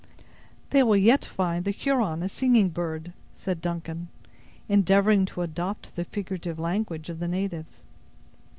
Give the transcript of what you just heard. "They will yet find the Huron a singing bird," said Duncan, endeavoring to adopt the figurative language of the natives.